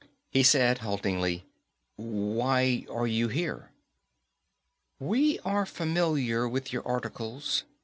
He said haltingly, "Why are you here?" _We are familiar with your articles.